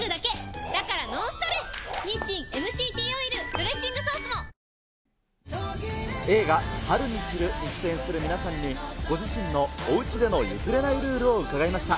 「グランドメゾン」ｂｙ 積水ハウス映画、春に散るに出演する皆さんに、ご自身のおうちでの譲れないルールを伺いました。